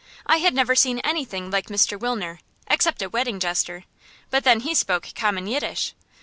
I had never seen anything like Mr. Wilner, except a wedding jester; but then he spoke common Yiddish.